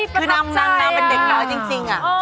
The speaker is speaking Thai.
คือนางเป็นเด็กน้อยจริง